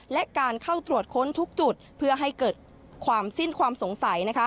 และการเข้าตรวจค้นทุกจุดเพื่อให้เกิดความสิ้นความสงสัย